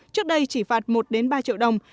trước đây chỉ phạt một đến ba triệu đồng